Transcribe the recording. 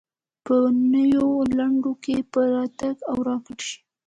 په نویو لنډیو کې به ټانک او راکټ راشي.